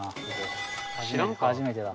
初めてだ。